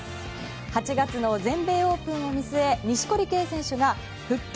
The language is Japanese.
８月の全米オープンを見据え錦織圭選手が復帰